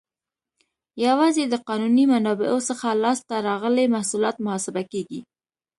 یوازې د قانوني منابعو څخه لاس ته راغلي محصولات محاسبه کیږي.